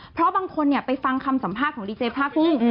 เพราะบางคนไปฟังคำสัมภาษณ์ของดีเจพระกุ้ง